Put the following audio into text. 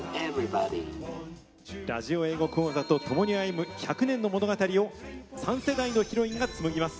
ラジオ英語講座とともに歩む１００年の物語を３世代のヒロインがつむぎます。